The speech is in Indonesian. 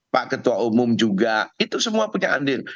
pak ketua umum juga itu semua punya andil